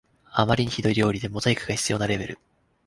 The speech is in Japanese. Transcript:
あまりにひどい料理でモザイクが必要なレベル